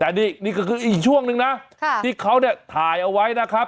แต่นี่ก็คืออีกช่วงนึงนะที่เขาเนี่ยถ่ายเอาไว้นะครับ